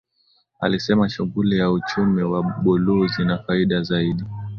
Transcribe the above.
Alisema shughuli za uchumi wa buluu zina faida zaidi